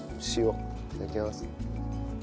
いただきます。